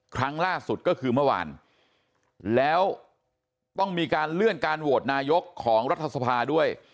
ครั้งล่าสุดก็คือเมื่อวานแล้วต้องมีการเลื่อนการโหวตนายกของรัฐสภาด้วย